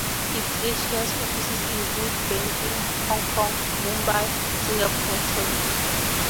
Its Asia offices include Beijing, Hong Kong, Mumbai, Singapore and Tokyo.